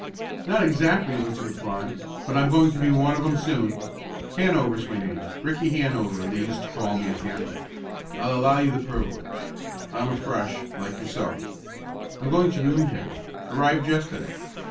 "Not exactly," was the reply, "but I'm going to be one of 'em soon. Hanover is my name Ricky Hanover they used to call me at Tampa. I'll allow you the privilege. I'm a Fresh. like yourself. I'm going to room here. Arrived yesterday.